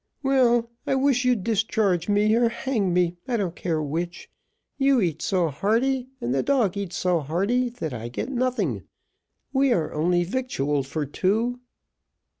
"Well, I wish you'd discharge me or hang me, I don't care which. You eats so hearty, and the dog eats so hearty, that I gets nothing. We are only victualled for two."